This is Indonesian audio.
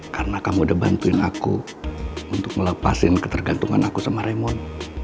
karena kamu sudah bantuin aku untuk melepaskan ketergantungan aku sama raymond